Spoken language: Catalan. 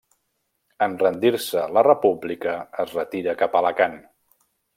En rendir-se la República es retira cap a Alacant.